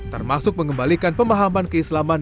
termasuk mengembalikan pemahaman keislaman